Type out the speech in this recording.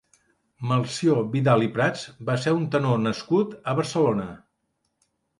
Melcior Vidal i Prats va ser un tenor nascut a Barcelona.